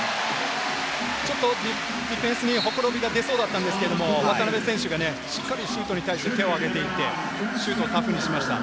ちょっとディフェンスにほころびが出そうだったんですけど渡邊選手がしっかり手をあげてシュートを確認しました。